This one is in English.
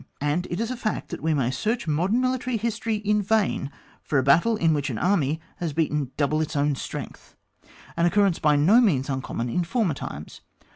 And it is a fact thai we may search modem military history in vain for a battle in which an army has beaten another double its own strength, an occurrence by no means un common in former times.